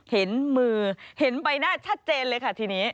เห็นมือเห็นใบหน้าชัดเจนเลยค่ะทีนี้